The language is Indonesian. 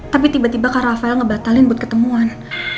tapi tiba tiba kak rafael ngebatalin buat ketemuan